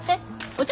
お茶？